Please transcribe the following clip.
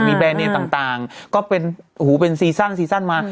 มีแบรนด์เนี่ยต่างก็เป็นซีสัน